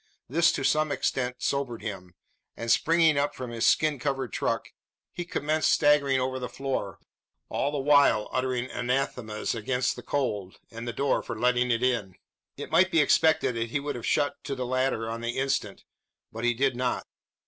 This to some extent sobered him; and, springing up from his skin covered truck, he commenced staggering over the floor all the while uttering anathemas against the cold, and the door for letting it in. It might be expected that he would have shut to the latter on the instant; but he did not.